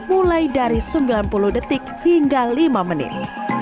mulai dari sembilan puluh detik hingga lima menit